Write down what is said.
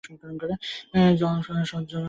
হুম, জল সহ্য হয়নি।